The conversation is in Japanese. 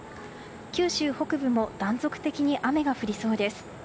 九州北部も断続的に雨が降りそうです。